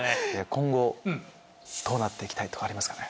今後どうなって行きたいとかありますかね？